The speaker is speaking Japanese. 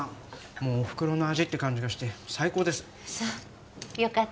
もうお袋の味って感じがして最高ですそうよかった